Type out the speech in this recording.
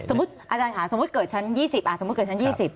สมมุติอาจารย์หาสมมุติเกิดชั้น๒๐อ่ะสมมุติเกิดชั้น๒๐